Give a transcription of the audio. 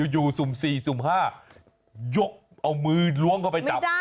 อยู่สุ่มสี่สุ่มห้ายกเอามือล้วงเข้าไปจับ